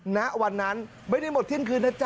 ณวันนั้นไม่ได้หมดเที่ยงคืนนะจ๊